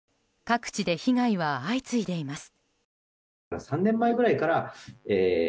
各地で被害は相次いでいます。